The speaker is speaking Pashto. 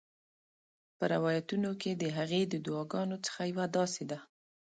په روایتونو کې د هغې د دعاګانو څخه یوه داسي ده: